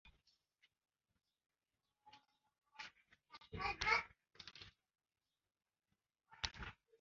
Bohemian রাজ্য প্রথম বিশ্বযুদ্ধ এর পরে ভেঙে যাওয়া পর্যন্ত অস্ট্রিয়ান সাম্রাজ্য এবং অস্ট্রিয়া-হাঙ্গেরি-র একটি অঙ্গ ছিল।